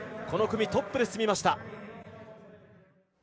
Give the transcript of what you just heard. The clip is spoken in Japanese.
この組トップで進みました。